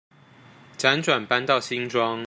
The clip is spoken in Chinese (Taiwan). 輾轉搬到新莊